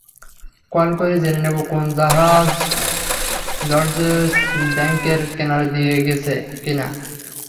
Call করে জেনে নেব কোন জাহাজ জর্জেস ব্যাংকের কিনারা দিয়ে গেছে কিনা।